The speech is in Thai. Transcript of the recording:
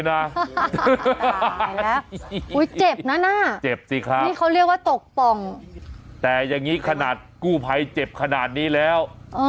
เจ็บนะน่ะเจ็บสิครับนี่เขาเรียกว่าตกป่องแต่อย่างนี้ขนาดกู้ภัยเจ็บขนาดนี้แล้ว